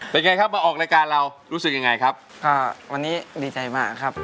เป็นไงครับมาออกรายการเรารู้สึกยังไงครับก็วันนี้ดีใจมากครับ